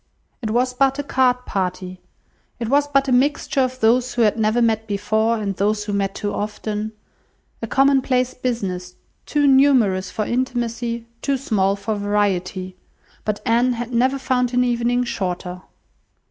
It was but a card party, it was but a mixture of those who had never met before, and those who met too often; a commonplace business, too numerous for intimacy, too small for variety; but Anne had never found an evening shorter.